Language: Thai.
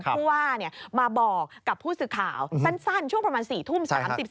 ผู้ว่ามาบอกกับผู้สื่อข่าวสั้นช่วงประมาณ๔ทุ่ม๓๔